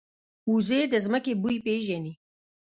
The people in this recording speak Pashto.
وزې د ځمکې بوی پېژني